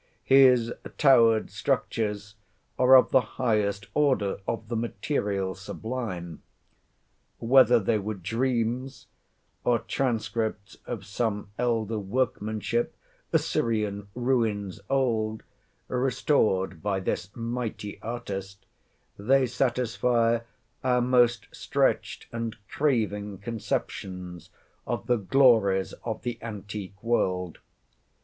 His towered structures are of the highest order of the material sublime. Whether they were dreams, or transcripts of some elder workmanship—Assyrian ruins old—restored by this mighty artist, they satisfy our most stretched and craving conceptions of the glories of the antique world.